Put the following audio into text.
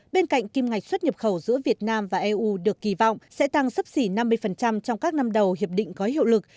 bên cạnh kim ngạch xuất nhập khẩu giữa việt nam và eu được kỳ vọng sẽ tăng sấp xỉ năm mươi trong các năm đầu hiệp định có hiệu lực